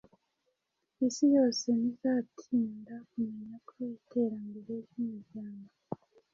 Isi yose ntizatinda kumenya ko iterambere ry’umuryango